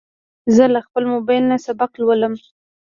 زه له خپل موبایل نه سبق لولم.